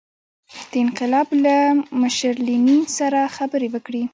د انقلاب له مشر لینین سره خبرې وکړي.